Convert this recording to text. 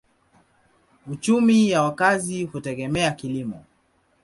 Uchumi ya wakazi hutegemea kilimo.